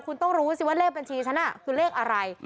คุณต้องรู้สิว่าเลขบัญชีฉันคือเลขอะไร